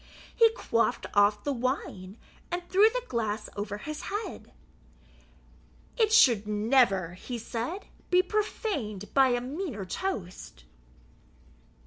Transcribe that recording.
He quaffed off the wine, and threw the glass over his head. "It should never," he said, "be profaned by a meaner toast."